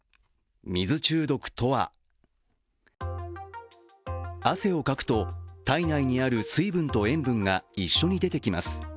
水中毒とは汗をかくと、体内にある水分と塩分が一緒に出てきます。